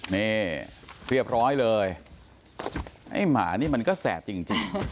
นี่เรียบร้อยเลยไอ้หมานี่มันก็แสบจริง